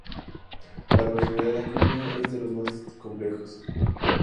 La personalidad de Acuña es de lo más compleja.